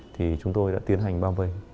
thì chúng tôi đã tiến hành bao vây